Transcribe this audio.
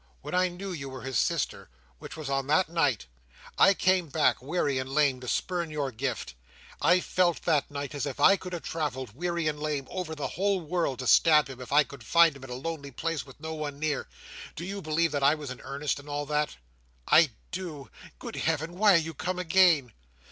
"When I knew you were his sister—which was on that night—I came back, weary and lame, to spurn your gift. I felt that night as if I could have travelled, weary and lame, over the whole world, to stab him, if I could have found him in a lonely place with no one near. Do you believe that I was earnest in all that?" "I do! Good Heaven, why are you come again?"